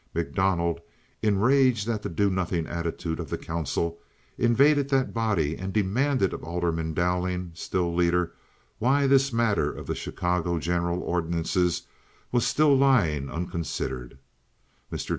MacDonald, enraged at the do nothing attitude of the council, invaded that body and demanded of Alderman Dowling, still leader, why this matter of the Chicago general ordinances was still lying unconsidered. Mr.